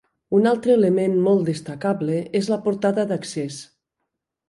Un altre element molt destacable és la portada d'accés.